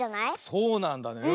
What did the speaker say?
そうなんだね。